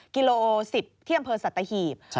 กิโลโอ๑๐เที่ยงบริเวณสัตว์ตะหีบ